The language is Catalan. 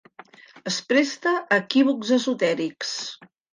Es presta a equívocs esotèrics.